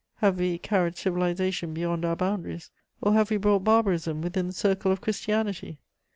Have we carried civilization beyond our boundaries, or have we brought barbarism within the circle of Christianity?